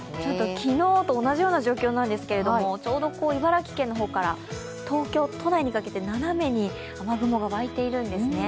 昨日と同じような状況なんですけど、ちょうど茨城県の方から東京都内にかけて、斜めに雨雲がわいているんですね。